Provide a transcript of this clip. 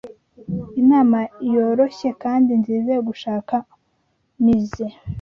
Inama yoroshye kandi nziza yo gushaka muse